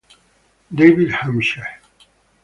David Hampshire